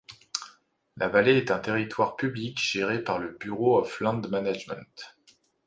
La vallée est un territoire public géré par le Bureau of Land Management.